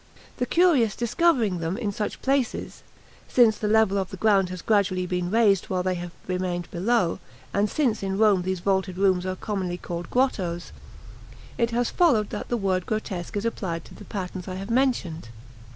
The curious discovering them in such places (since the level of the ground has gradually been raised while they have remained below, and since in Rome these vaulted rooms are commonly called grottoes), it has followed that the word grotesque is applied to the patterns I have mentioned.